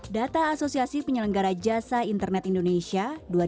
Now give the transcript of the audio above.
data asosiasi penyelenggara jasa internet indonesia dua ribu dua puluh